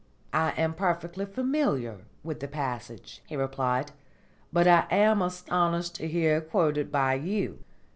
"I am perfectly familiar with the passage," he replied, "but I am astonished to hear it quoted by you.